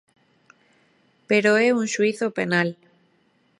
Pero é un xuízo penal.